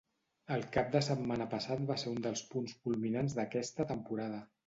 El cap de setmana passat va ser un dels punts culminants d’aquesta temporada.